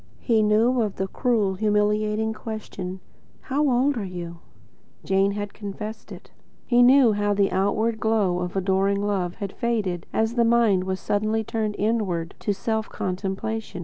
He knew of the cruel, humiliating question: "How old are you?" Jane had confessed to it. He knew how the outward glow of adoring love had faded as the mind was suddenly turned inward to self contemplation.